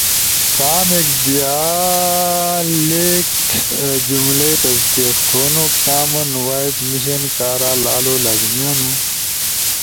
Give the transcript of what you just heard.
کامیک دیالیک جملئی تصدیق تھونو کامن وائس مشن کارا لالو لازمی ہنو،